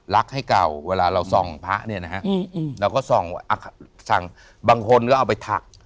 ลักษณ์ให้เก่าเวลาเราส่องพระเนี้ยนะฮะอืมอืมแล้วก็ส่องสั่งบางคนก็เอาไปถัก